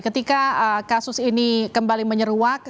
ketika kasus ini kembali menyeruak